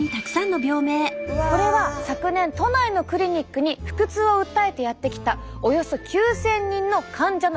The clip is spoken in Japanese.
これは昨年都内のクリニックに腹痛を訴えてやって来たおよそ９，０００人の患者の病名です。